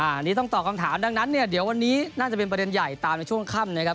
อันนี้ต้องตอบคำถามดังนั้นเนี่ยเดี๋ยววันนี้น่าจะเป็นประเด็นใหญ่ตามในช่วงค่ำนะครับ